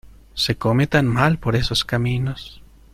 ¡Se come tan mal por esos caminos!